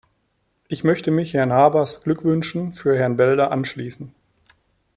Ich möchte mich Herrn Harbours Glückwünschen für Herrn Belder anschließen.